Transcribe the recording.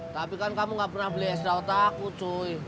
tapi kan kamu gak pernah beli es dawet aku cuy